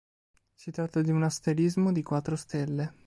Si tratta di un asterismo di quattro stelle.